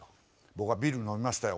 僕はビール飲みましたよ。